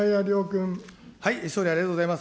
総理、ありがとうございます。